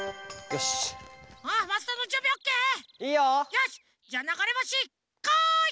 よしじゃながれぼしこい！